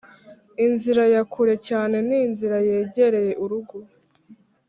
inzira ya kure cyane ni inzira yegereye urugo.